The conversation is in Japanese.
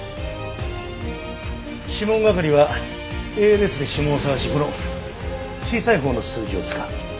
指紋係はＡＬＳで指紋を探しこの小さいほうの数字を使う。